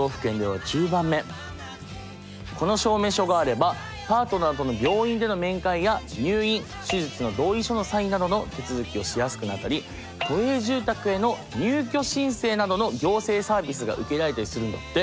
この証明書があればパートナーとのなどの手続きをしやすくなったり都営住宅への入居申請などの行政サービスが受けられたりするんだって。